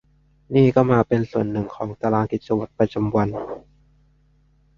นี่ก็มาเป็นส่วนหนึ่งของตารางกิจวัตรประจำวัน